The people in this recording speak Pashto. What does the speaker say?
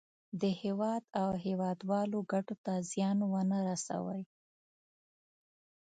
د هېواد او هېوادوالو ګټو ته زیان ونه رسوي.